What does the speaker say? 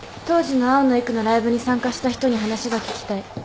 当時の青野郁のライブに参加した人に話が聞きたい。